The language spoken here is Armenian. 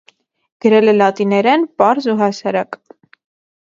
Գրել է լատիներեն, պարզ ու հասարակ։